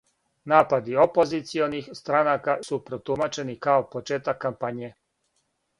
Напади опозиционих странака су протумачени као почетак кампање.